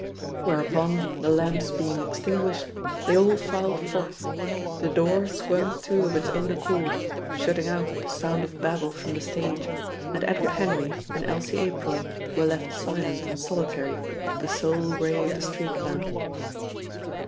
Whereupon, the lamps being extinguished, they all filed forth, the door swung to of its own accord, shutting out the sound of babble from the stage, and Edward Henry and Elsie April were left silent and solitary to the sole ray of the street lamp.